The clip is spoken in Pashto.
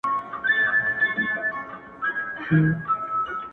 د دود وهلي ښار سپېڅلي خلگ لا ژونـدي دي”